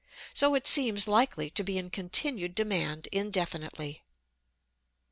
So it seems likely to be in continued demand indefinitely.